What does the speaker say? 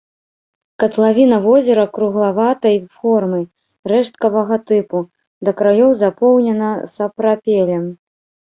Катлавіна возера круглаватай формы, рэшткавага тыпу, да краёў запоўнена сапрапелем.